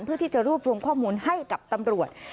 เพื่อที่จะรวบรวมข้อมูลให้กับตำรวจ